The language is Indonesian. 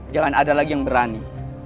jangan ada lagi yang berani